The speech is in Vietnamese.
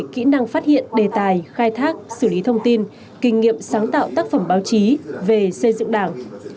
kỹ năng phát hiện đề tài khai thác xử lý thông tin kinh nghiệm sáng tạo tác phẩm báo chí về xây dựng đảng